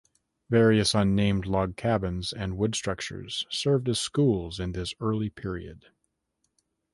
Various unnamed log cabins and wood structures served as schools in this early period.